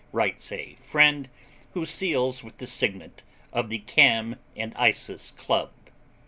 writes a friend who seals with the signet of the Cam and Isis Club.